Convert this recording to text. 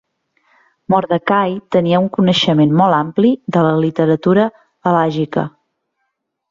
Mordechai tenia un coneixement molt ampli de la literatura halàjica.